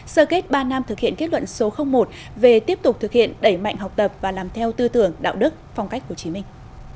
sơ kết ba năm thực hiện kết luận số một về tiếp tục thực hiện đẩy mạnh học tập và làm theo tư tưởng đạo đức phong cách hồ chí minh